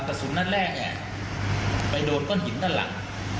กระสุนนัดแรกเนี่ยไปโดนก้อนหินด้านหลัง